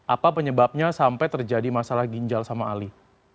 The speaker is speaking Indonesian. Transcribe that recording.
apa penyebabnya sampai terjadi masalah ginjal sama ali